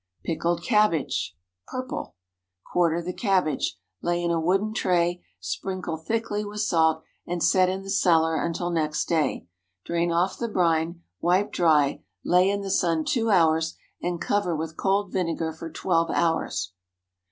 PICKLED CABBAGE (Purple.) Quarter the cabbage. Lay in a wooden tray, sprinkle thickly with salt, and set in the cellar until next day. Drain off the brine, wipe dry, lay in the sun two hours, and cover with cold vinegar for twelve hours.